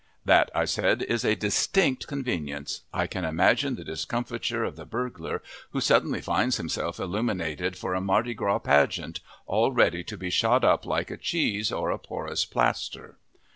"That," I said, "is a distinct convenience. I can imagine the discomfiture of the burglar who suddenly finds himself illuminated for a Mardi Gras pageant, all ready to be shot up like a cheese or a porous plaster."